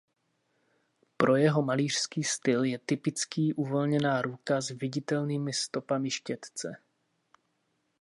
Pro jeho malířský styl je typický uvolněná ruka s viditelnými stopami štětce.